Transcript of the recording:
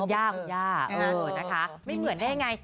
ถูกก่อนนะคะไม่เหมือนได้ยังไง